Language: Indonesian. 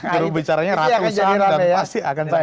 jurubicaranya ratusan dan pasti akan saya